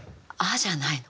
「あ」じゃないの。